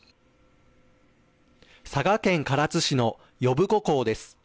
佐賀県唐津市の呼子港です。